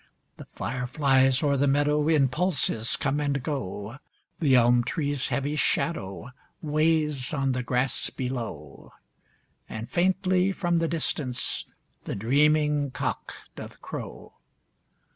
The fireflies o'er the meadow In pulses come and go; The elm trees' heavy shadow Weighs on the grass below; And faintly from the distance The dreaming cock doth crow.